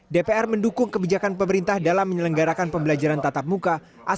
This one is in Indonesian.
dpr mendukung kebijakan pemerintah dalam menyelenggarakan pembelajaran tatap muka